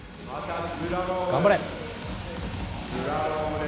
頑張れ。